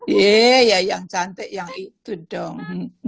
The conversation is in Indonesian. iya yang cantik yang itu dong